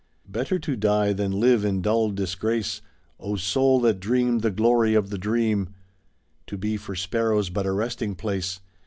Better to die than live in dull disgrace, O soul that dreamed the glory of the dream! To be for sparrows but a resting place.